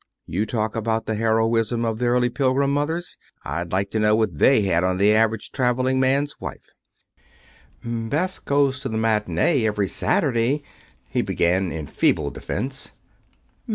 You talk about the heroism of the early Pilgrim mothers! I'd like to know what they had on the average traveling man's wife." "Bess goes to the matinee every Saturday," he began, in feeble defense.